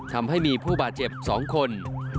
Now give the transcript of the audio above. ทำให้มีผู้บาดเจ็บ๒คน